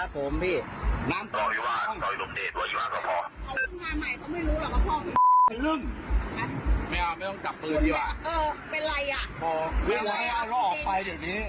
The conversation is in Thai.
พอไม่เอาให้เราออกไปเดี๋ยวนี้